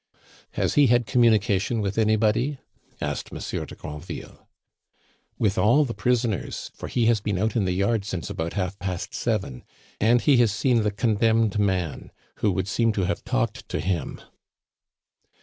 "Has he had communication with anybody?" asked Monsieur de Granville. "With all the prisoners, for he has been out in the yard since about half past seven. And he has seen the condemned man, who would seem to have talked to him."